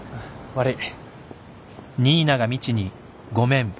悪い。